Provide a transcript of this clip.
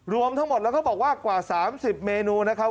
รวมทั้งหมดแล้วเขาบอกว่ากว่า๓๐เมนูนะครับ